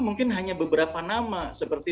mungkin hanya beberapa nama seperti